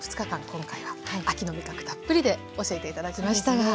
今回は秋の味覚たっぷりで教えて頂きましたが。